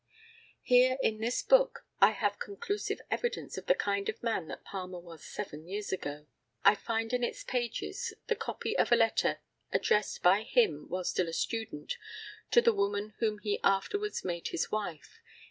] Here in this book I have conclusive evidence of the kind of man that Palmer was seven years ago. I find in its pages the copy of a letter addressed by him while still a student to the woman whom he afterwards made his wife.